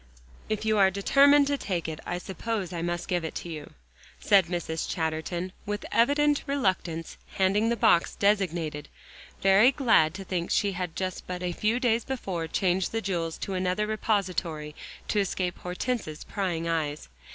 "If you are determined to take it, I suppose I must give it to you," said Mrs. Chatterton, with evident reluctance handing the box designated, very glad to think she had but a few days before changed the jewels to another repository to escape Hortense's prying eyes.